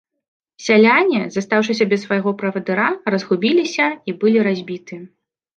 Сяляне, застаўшыся без свайго правадыра, разгубіліся і былі разбіты.